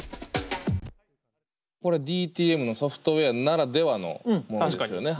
これＤＴＭのソフトウエアならではのものですよね。